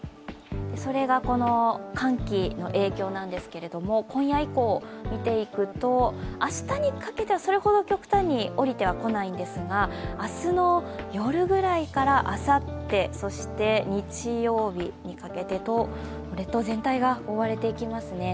それがこの寒気の影響なんですけれども今夜以降、見ていくと明日にかけてはそれほど極端に下りてはこないんですが明日の夜ぐらいからあさってそして日曜日にかけてと列島全体が覆われていきますね。